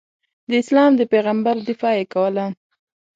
د اسلام د پیغمبر دفاع یې کوله.